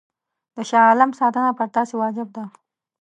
د شاه عالم ساتنه پر تاسي واجب ده.